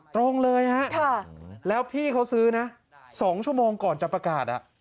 ตรงเลยฮะแล้วพี่เขาซื้อนะ๒ชั่วโมงก่อนจะประกาศ